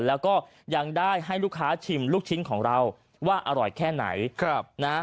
แล้วก็ยังได้ให้ลูกค้าชิมลูกชิ้นของเราว่าอร่อยแค่ไหนครับนะฮะ